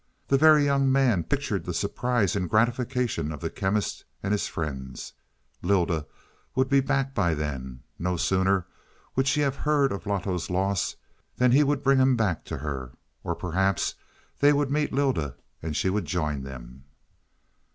The Very Young Man pictured the surprise and gratification of the Chemist and his friends. Lylda would be back by then; no sooner would she have heard of Loto's loss than he would bring him back to her. Or perhaps they would meet Lylda and she would join them.